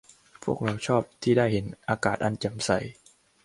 พวกเราชอบที่ได้เห็นอากาศอันแจ่มใส